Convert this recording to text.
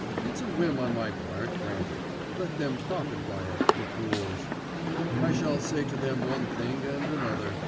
It's a whim on my part, granted; let them profit by it, ... the fools. I shall say to them one thing and another